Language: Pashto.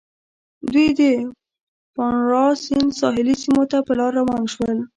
دوی د پانارا سیند ساحلي سیمو ته په لاره روان شول.